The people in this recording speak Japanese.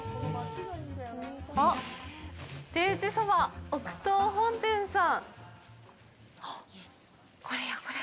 あっ、手打ちそば奥藤本店さん。